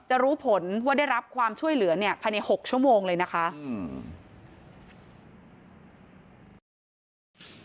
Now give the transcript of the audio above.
รู้ผลว่าได้รับความช่วยเหลือเนี่ยภายในหกชั่วโมงเลยนะคะอืม